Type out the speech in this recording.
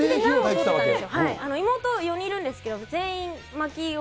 妹４人いるんですけれども、全員まきを。